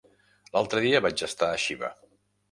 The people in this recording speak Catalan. L'altre dia vaig estar a Xiva.